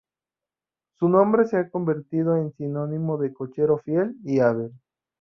Su nombre se ha convertido en sinónimo de cochero fiel y hábil.